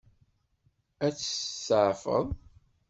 Ad tt-tseɛfeḍ?